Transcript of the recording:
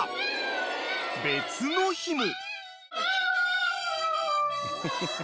［別の日も］